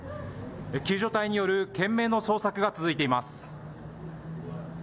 救助隊による懸命の捜索が続いています。